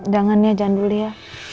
jangan ya jangan dulu ya